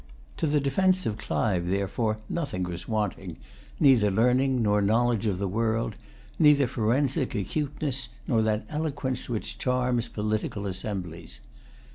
To the defence of Clive, therefore, nothing was wanting, neither learning nor knowledge of the world, neither forensic acuteness nor that eloquence which charms political assemblies.